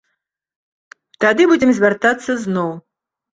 Тады будзем звяртацца зноў.